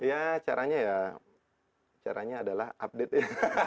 ya caranya ya caranya adalah update ya